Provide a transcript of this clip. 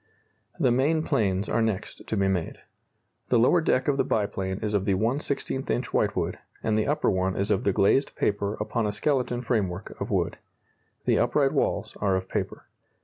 The main planes are next to be made. The lower deck of the biplane is of the 1/16 inch whitewood, and the upper one is of the glazed paper upon a skeleton framework of wood. The upright walls are of paper.